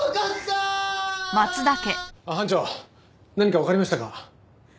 班長何かわかりましたか？